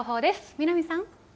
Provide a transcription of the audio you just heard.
南さん。